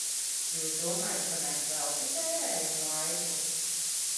Jūs domājat, ka mēs velti tērējam laiku?